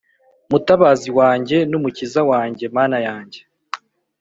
mutabazi wanjye n umukiza wanjye Mana yanjye